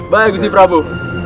baik bisi prabu